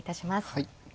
はい。